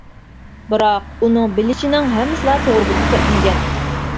بىراق، ئۇنىڭ بىلىشىنىڭ ھەممىسىلا توغرا بولۇپ كەتمىگەن.